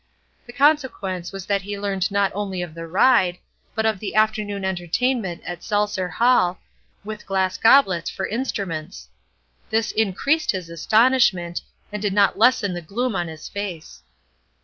The consequence was that he learned not only of the ride, but of the afternoon entertainment at Seltzer Hall, with glass goblets for instruments. This increased his astonishment, and did not lessen the gloom on his face.